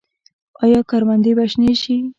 آیا کروندې به شنې شي؟